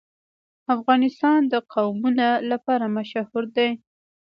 افغانستان د قومونه لپاره مشهور دی.